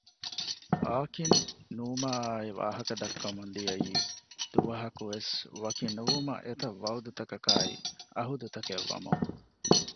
އާކިން ނޫމާއާއި ވާހަކަ ދައްކަމުން ދިޔައީ ދުވަހަކުވެސް ވަކިނުވުމަށް އެތައް ވައުދު ތަކަކާއި އަހުދު ތަކެއް ވަމުން